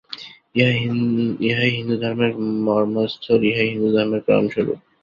ইহাই হিন্দুধর্মের মর্মস্থল, ইহাই হিন্দুধর্মের প্রাণস্বরূপ।